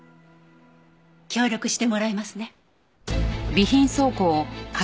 協力してもらえますね？